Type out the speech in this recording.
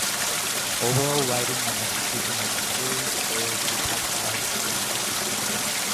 Overall writing and execution of the series failed to capitalize the strength.